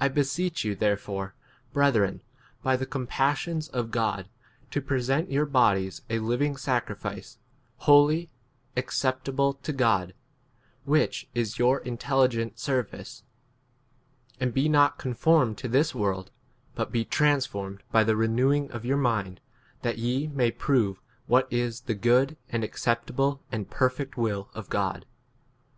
I beseech you therefore, breth ren, by the compassions of God, to present your bodies a living sacrifice, holy, acceptable to God, [which is] your intelligent ser 2 vice. And be not conformed to this world, but be transformed by the renewing of yourP mind, that ye may prove * what [is] the good and acceptable and perfect will of 3 God.